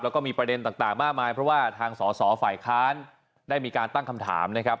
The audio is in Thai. แล้วก็มีประเด็นต่างมากมายเพราะว่าทางสอสอฝ่ายค้านได้มีการตั้งคำถามนะครับ